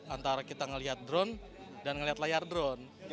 antara kita ngeliat drone dan ngelihat layar drone